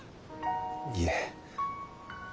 いえ。